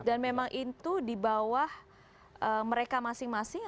dan memang itu di bawah mereka masing masing